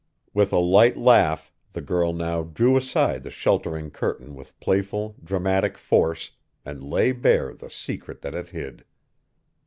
With a light laugh, the girl now drew aside the sheltering curtain with playful, dramatic force, and lay bare the secret that it hid!